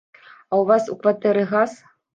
А у вас у кватэры газ?